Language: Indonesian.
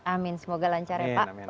amin semoga lancar ya pak